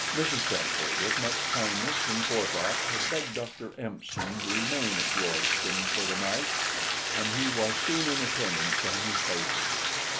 Mrs. Temple, with much kindness and forethought, had begged Dr. Empson to remain at Royston for the night, and he was soon in attendance on his patient.